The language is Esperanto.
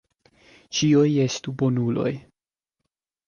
Ĉiuj estu bonuloj.